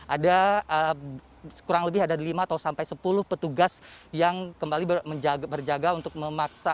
ada kurang lebih ada lima atau sampai sepuluh petugas yang kembali berjaga untuk memaksa